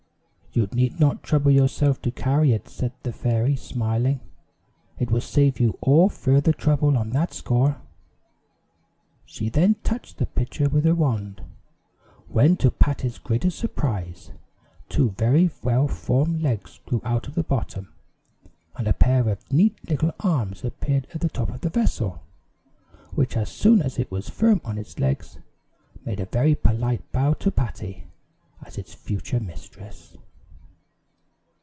"You need not trouble yourself to carry it," said the fairy, smiling; "it will save you all further trouble on that score." She then touched the pitcher with her wand, when to Patty's greater surprise, two very well formed legs grew out of the bottom, and a pair of neat little arms appeared at the top of the vessel, which, as soon as it was firm on its legs, made a very polite bow to Patty as its future mistress.